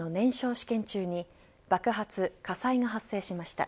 試験中に爆発、火災が発生しました。